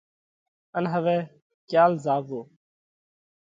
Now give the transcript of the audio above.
ان هوَئہ ڪيال زاوَو۔